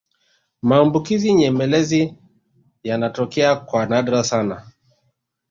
maambukizi nyemelezi yanatokea kwa nadra sana